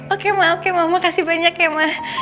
oke ma oke mama kasih banyak ya ma